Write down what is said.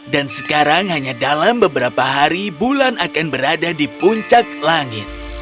dan sekarang hanya dalam beberapa hari bulan akan berada di puncak langit